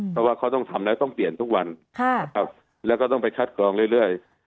เพราะว่าเขาต้องทำแล้วต้องเปลี่ยนทุกวันนะครับแล้วก็ต้องไปคัดกรองเรื่อย